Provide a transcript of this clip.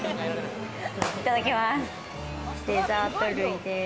いただきます。